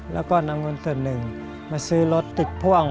แล้วก็นำเงินส่วนหนึ่งมาซื้อรถติดพ่วง